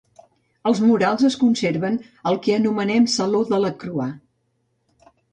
Els murals es conserven al que anomenem Saló Delacroix.